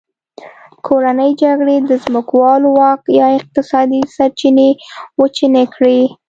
کورنۍ جګړې د ځمکوالو واک یا اقتصادي سرچینې وچې نه کړې.